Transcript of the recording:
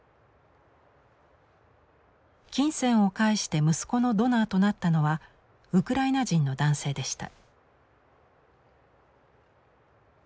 金銭を介して息子のドナーとなったのはウクライナ人の男性でした。